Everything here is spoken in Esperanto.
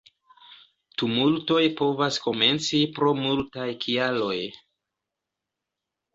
Tumultoj povas komenci pro multaj kialoj.